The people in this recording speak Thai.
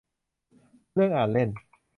เรื่องอ่านเล่น